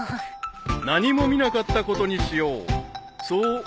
［何も見なかったことにしよう］